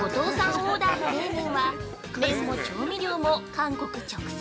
オーダーの冷麺は麺も調味料も韓国直送！